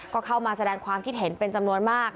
ก็เข้ามาแสดงความคิดเห็นเป็นจำนวนมาก